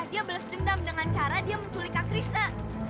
dia belas dendam dengan cara dia menculik kak krishna